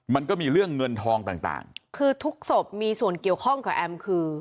มันก็มีเรื่องเงินทองต่างต่างคือทุกศพมีส่วนเกี่ยวข้องกับแอมคือ